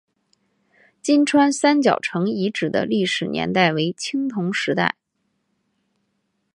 金川三角城遗址的历史年代为青铜时代。